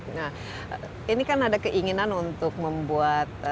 nah ini kan ada keinginan untuk membuat